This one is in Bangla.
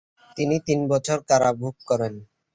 তিনি তিন বছর কারাভোগ করেন।